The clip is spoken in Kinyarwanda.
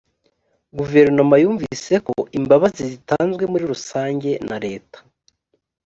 guverinoma yumvise ko imbabazi zitanzwe muri rusange na leta